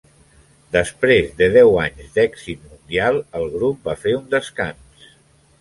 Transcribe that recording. Després de deu anys d'èxit mundial, el grup va fer un descans.